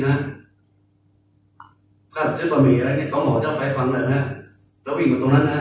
เอาไปขึ้นซื้อต่อมีอะไรเงี้ยเขาหมอเจ้าไปฟังแล้วนะแล้ววิ่งไปตรงนั้นนะ